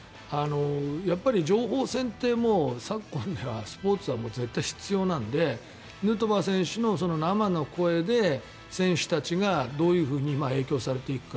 やっぱり情報戦って昨今ではスポーツは絶対に必要なのでヌートバー選手の生の声で選手たちがどういうふうに影響されていくか。